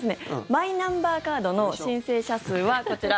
マイナンバーカードの申請者数はこちら。